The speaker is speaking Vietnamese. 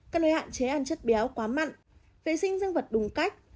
cần để hạn chế ăn chất béo quá mặn vệ sinh dân vật đúng cách